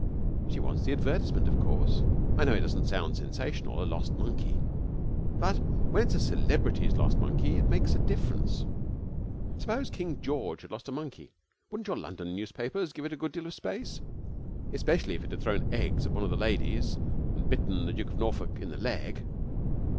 'She wants the advertisement, of course. I know it doesn't sound sensational a lost monkey; but when it's a celebrity's lost monkey it makes a difference. Suppose King George had lost a monkey; wouldn't your London newspapers give it a good deal of space? Especially if it had thrown eggs at one of the ladies and bitten the Duke of Norfolk in the leg?